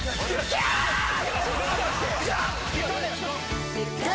キャーッ！